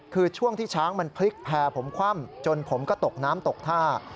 คือช่วงที่ช้างมันพลิกแพร่ผมคว่ำจนผมก็ตกน้ำตกท่า